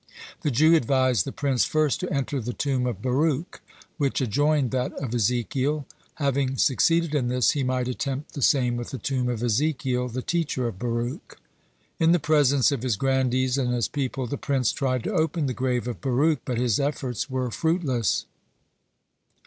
The Jew advised the prince first to enter the tomb of Baruch, which adjoined that of Ezekiel. Having succeeded in this, he might attempt the same with the tomb of Ezekiel, the teacher of Baruch. (72) In the presence of his grandees and his people the prince tried to open the grave of Baruch, but his efforts were fruitless.